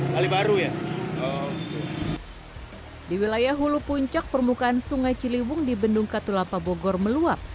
kali baru ya di wilayah hulu puncak permukaan sungai ciliwung di bendung katulapa bogor meluap